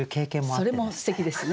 それもすてきですね。